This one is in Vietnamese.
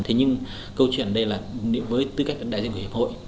thế nhưng câu chuyện ở đây là với tư cách đại diện của hiệp hội